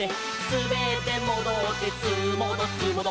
「すべってもどってすーもどすーもど」